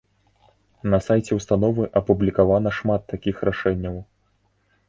На сайце ўстановы апублікавана шмат такіх рашэнняў.